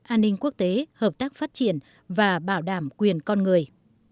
an ninh quốc tế hợp tác phát triển và bảo đảm quyền con người